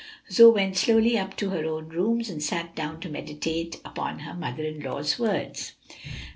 '" Zoe went slowly up to her own rooms and sat down to meditate upon her mother in law's words.